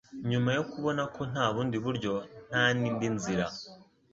Nyuma yo kubona ko nta bundi buryo nta n'indi nzira